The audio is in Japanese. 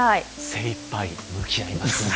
精いっぱい向き合います。